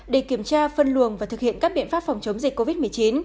để kiểm tra phân luồng và thực hiện các biện pháp phòng chống dịch covid một mươi chín